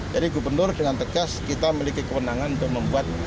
jadi gubernur dengan tegas kita memiliki kewenangan untuk membuat kebijakan seperti itu